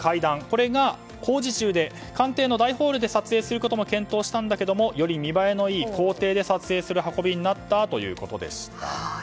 これが工事中で官邸の大ホールで撮影することも検討したんだけれどもより見栄えのいい公邸で撮影する運びになったということでした。